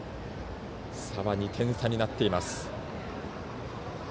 差は２点差になっています。